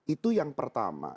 itu yang pertama